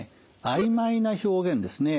あいまいな表現ですね